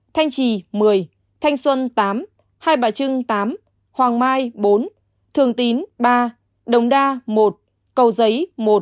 thanh trì một mươi thanh xuân tám hai bà trưng tám hoàng mai bốn thường tín ba đồng đa một cầu giấy